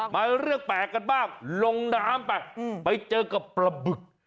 มาเรื่องแปลกกันบ้างลงน้ำไปไปเจอกับปลาบึก